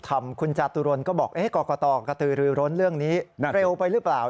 ทำคุณจาตุรนก็บอกกรกตกระตือรือร้นเรื่องนี้เร็วไปหรือเปล่า